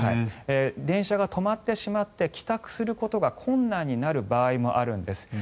電車が止まってしまって帰宅することが困難になってしまう場合もあるんです。